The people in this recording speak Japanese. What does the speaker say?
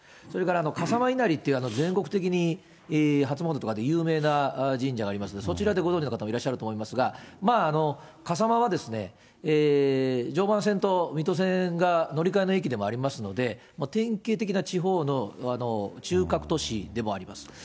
それから笠間稲荷っていう全国的に初詣とかで有名な神社がありますんで、そちらでご存じの方もいらっしゃると思いますが、笠間は常磐線と水戸線が乗り換えの駅でもありますので、典型的な地方の中核都市でもあります。